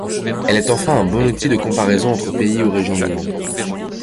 Elle est enfin un bon outil de comparaison entre pays ou régions du monde.